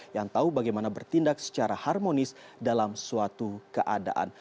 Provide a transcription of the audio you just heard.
yang tahu bagaimana bertindak secara harmonis dalam suatu keadaan